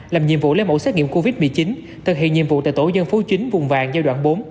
làm nhiệm vụ lấy mẫu xét nghiệm covid một mươi chín thực hiện nhiệm vụ tại tổ dân phố chính vùng vàng giai đoạn bốn